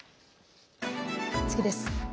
次です。